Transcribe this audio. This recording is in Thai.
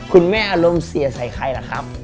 คุณแม่อารมณ์เสียใส่ใครล่ะครับ